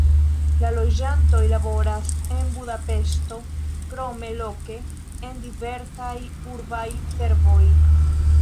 La loĝantoj laboras en Budapeŝto, krome loke en diversaj urbaj servoj.